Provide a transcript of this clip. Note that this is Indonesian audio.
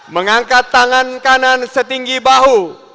mengangkat tangan kanan setinggi bahu